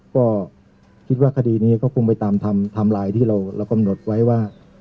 ก็คิดว่าคดีนี้ก็คงไปตามไทม์ไลน์ที่เรากำหนดไว้ว่า